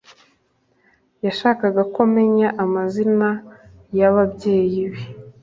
Yashakaga ko menya amazina yababyeyi be